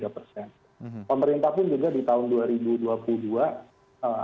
pemerintah pun juga di tahun dua ribu dua puluh dua